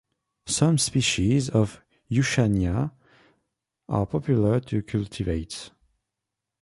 Some species of "Yushania" are popular to cultivate.